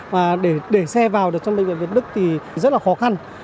và để xe vào được trong bệnh viện việt đức thì rất là khó khăn